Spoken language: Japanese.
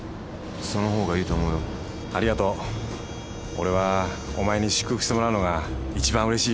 俺はお前に祝福してもらうのがいちばんうれしいよ。